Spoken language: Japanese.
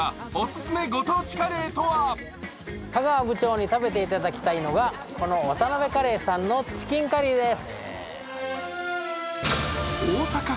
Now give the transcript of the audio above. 香川部長に食べていただきたいのが、この渡邊カリーさんのチキンカリーです。